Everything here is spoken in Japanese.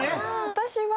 私は。